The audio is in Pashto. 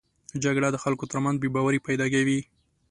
جګړه د خلکو تر منځ بې باوري پیدا کوي